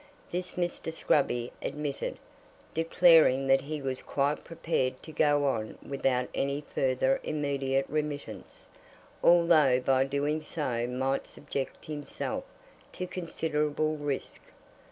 This Mr. Scruby admitted, declaring that he was quite prepared to go on without any further immediate remittance, although by doing so might subject himself to considerable risk.